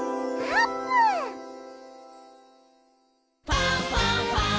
「ファンファンファン」